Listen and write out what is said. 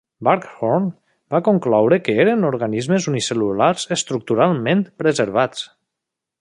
Barghoorn va concloure que eren organismes unicel·lulars estructuralment preservats.